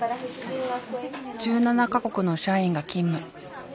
１７か国の社員が勤務。